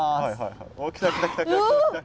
お来た来た来た来た。